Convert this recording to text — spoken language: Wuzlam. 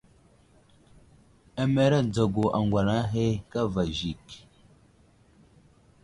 Amereŋ dzagu aŋgwalaŋ ahe kava i zik.